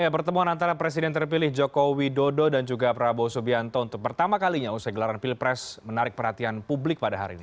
pertemuan antara presiden terpilih joko widodo dan juga prabowo subianto untuk pertama kalinya usai gelaran pilpres menarik perhatian publik pada hari ini